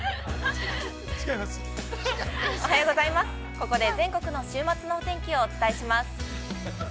◆ここで全国の週末のお天気をお伝えします。